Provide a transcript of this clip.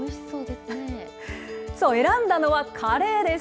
選んだのはカレーです。